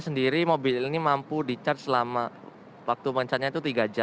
sendiri mobil ini mampu di charge selama waktu pencarian itu tiga jam dan untuk jarak